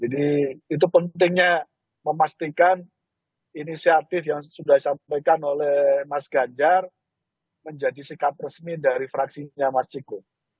jadi itu pentingnya memastikan inisiatif yang sudah disampaikan oleh mas ganjar menjadi sikap resmi dari fraksinya mas ciko